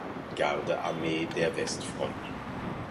Gardearmee der Westfront.